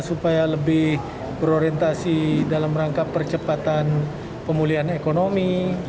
supaya lebih berorientasi dalam rangka percepatan pemulihan ekonomi